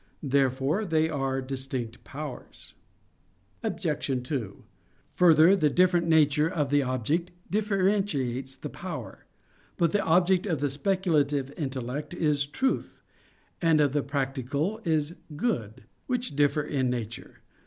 Therefore they are distinct powers. Obj. 2: Further, the different nature of the object differentiates the power. But the object of the speculative intellect is truth, and of the practical is good; which differ in nature.